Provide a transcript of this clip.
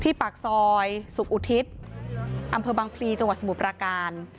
ปากซอยสุขอุทิศอำเภอบังพลีจังหวัดสมุทรประการ